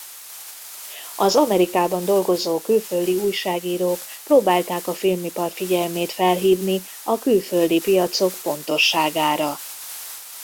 Az Amerikában dolgozó külföldi újságírók próbálták a filmipar figyelmét felhívni a külföldi piacok fontosságára.